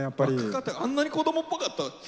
あんなに子供っぽかったっけ？